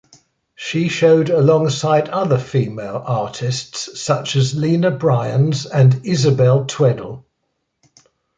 She showed alongside other female artists such as Lina Bryans and Isabel Tweddle.